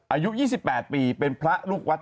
อายุ๒๘ปีเป็นพระลูกวัด